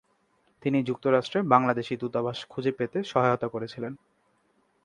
তিনি যুক্তরাষ্ট্রে বাংলাদেশী দূতাবাস খুঁজে পেতে সহায়তা করেছিলেন।